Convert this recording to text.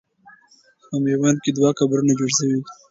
په میوند کې دوه قبرونه جوړ سوي دي.